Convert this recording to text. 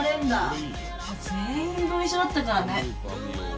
全員分一緒だったからね。